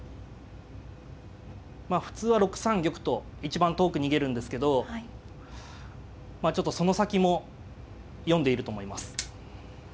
まあ普通は６三玉と一番遠く逃げるんですけどちょっとその先も読んでいると思います。